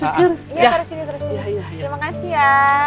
terus sini terus sini mengasih ya